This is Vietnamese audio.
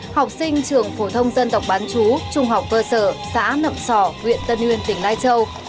học sinh trường phổ thông dân tộc bán chú trung học cơ sở xã nậm sỏ huyện tân nguyên tỉnh lai châu